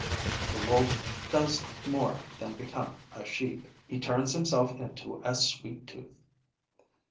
The Wolf does more than become a Sheep: he turns himself into a sweet tooth.